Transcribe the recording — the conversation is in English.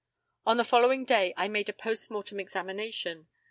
On the following day I made a post mortem examination.